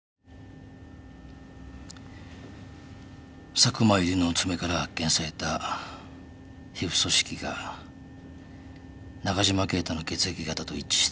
佐久間由理の爪から発見された皮膚組織が中嶋敬太の血液型と一致した。